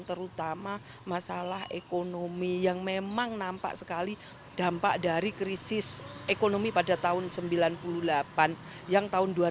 terutama masalah ekonomi yang memang nampak sekali dampak dari krisis ekonomi pada tahun